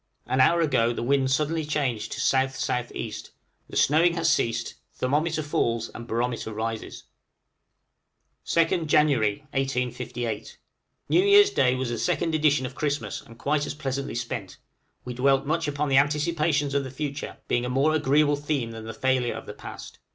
An hour ago the wind suddenly changed to S.S.E.; the snowing has ceased; thermometer falls and barometer rises. {JAN., 1858.} {NEW YEAR'S DAY.} 2nd Jan., 1858. New Year's day was a second edition of Christmas, and quite as pleasantly spent. We dwelt much upon the anticipations of the future, being a more agreeable theme than the failure of the past.